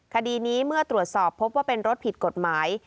คดีนี้เมื่อตรวจสอบพบว่าเป็นรถผิดกฎหมาย